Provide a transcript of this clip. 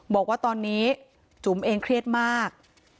บอกว่าตอนนี้จุ๋มเองเครียดมาก